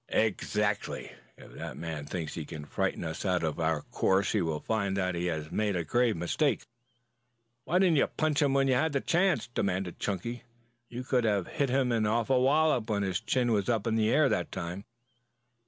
"Exactly! If that man thinks he can frighten us out of our course he will find that he has made a grave mistake." "Why didn't you punch him when you had the chance?" demanded Chunky. "You could have hit him an awful wallop when his chin was in the air that time."